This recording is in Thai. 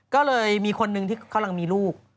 ก็เลยมีคนนึงที่กำลังมีลูก